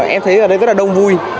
em thấy ở đây rất là đông vui